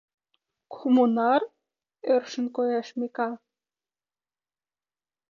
— Коммунар? — ӧршын коеш Микал.